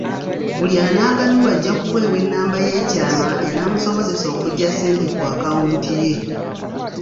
Buli anaaganyulwa ajja kuweebwa ennamba y'ekyama enaamusobozesa okuggya ssente ku akawunti ye